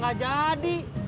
kenapa ga jadi